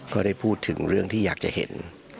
ก็ได้พูดถึงเรื่องที่อยากจะเห็น